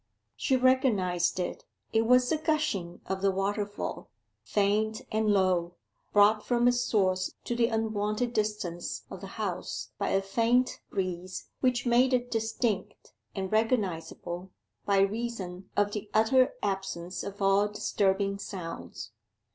She recognized it: it was the gushing of the waterfall, faint and low, brought from its source to the unwonted distance of the House by a faint breeze which made it distinct and recognizable by reason of the utter absence of all disturbing sounds.